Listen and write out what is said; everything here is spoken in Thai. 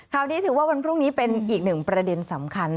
ข่าวนี้ถือว่าวันพรุ่งนี้เป็นอีกหนึ่งประเด็นสำคัญ